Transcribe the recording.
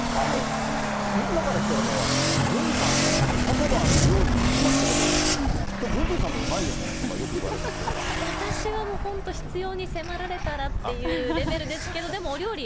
みんなから聞かれるのは、郡司さんのパパは料理うまいんだけど、きっと郡司さんもうまいよねとか、いや、私はもう本当、必要に迫られたらっていうレベルですけれども、でもお料理